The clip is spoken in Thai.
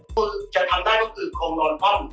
คือจะทำได้ก็คือคงนอนพร่อม